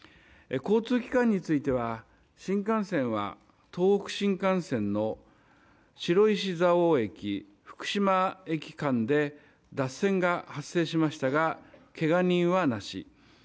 交通機関については、新幹線は東北新幹線の白石蔵王駅福島駅間で脱線が発生しましたがけが人はなし。